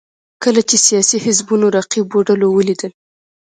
کله چې سیاسي حزبونو رقیبو ډلو ولیدل